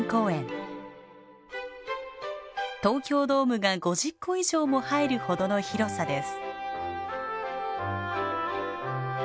東京ドームが５０個以上も入るほどの広さです。